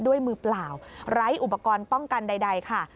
ด้วยมือเปล่าไร้อุปกรณ์ป้องกันใดค่ะ